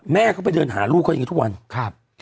แม่เขาไปเดินหาลูกเขาอย่างนี้ทุกวันครับ